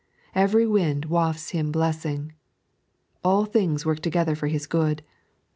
Every wind wafts him blessing ; all things work together for his good.